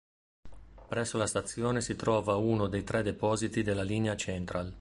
Presso la stazione si trova uno dei tre depositi della linea Central.